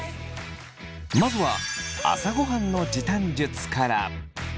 まずは朝ごはんの時短術から。